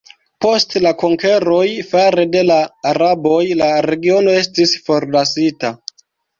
Post la konkeroj fare de la araboj la regiono estis forlasita.